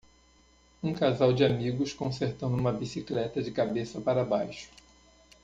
Um casal de amigos consertando uma bicicleta de cabeça para baixo.